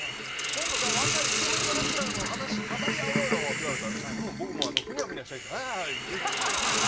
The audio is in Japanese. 「今度さ若いイケメンのレスラーの話語り合おうよ」って言われた時僕もあのフニャフニャしたああ